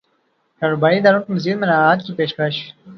کاروباری اداروں کو مزید مراعات کی پیشکش